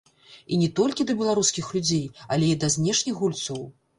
І не толькі да беларускіх людзей, але і да знешніх гульцоў.